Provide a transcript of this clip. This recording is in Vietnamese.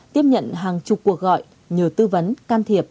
tiếp nhận hàng chục cuộc gọi nhờ tư vấn can thiệp